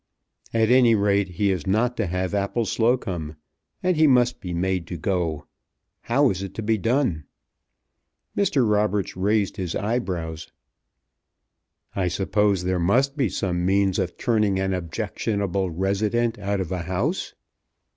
"At any rate he is not to have Appleslocombe, and he must be made to go. How is it to be done?" Mr. Roberts raised his eyebrows. "I suppose there must be some means of turning an objectionable resident out of a house."